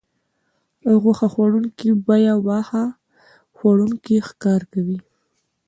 او غوښه خوړونکي بیا واښه خوړونکي ښکار کوي